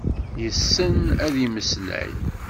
Yessen ad yemmeslay.